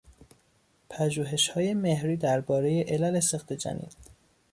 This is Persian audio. پژوهشهای مهری دربارهی علل سقط جنین